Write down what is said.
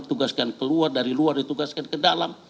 ditugaskan keluar dari luar ditugaskan ke dalam